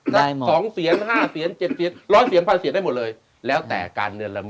ได้หมด๒เสียง๕เสียง๗เสียง๑๐๐เสียง๑๐๐๐เสียงได้หมดเลยแล้วแต่การเนินละมิตร